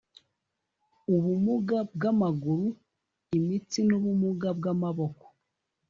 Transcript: ubumuga bw amaguru imitsi n ubumuga bw amaboko